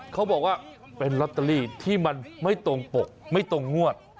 เขาบอกว่าเป็นลอตเตอรี่ที่มันไม่ตรงปกไม่ตรงงวด